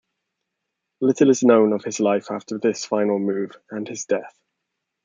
Little is known of his life after this final move, and his death.